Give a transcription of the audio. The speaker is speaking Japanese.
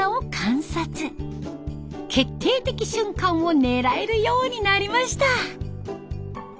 決定的瞬間を狙えるようになりました。